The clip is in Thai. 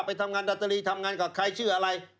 ไปทำงานดอตรีทำงานกับใครชื่ออะไร